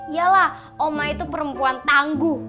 yalah oma itu perempuan tangguh